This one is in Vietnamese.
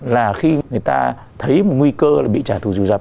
là khi người ta thấy một nguy cơ là bị trả thù trù dập